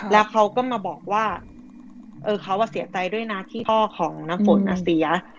แล้วเขาก็มาบอกว่าเขาเสียใจด้วยนะที่พ่อของน้ำฝนเสีย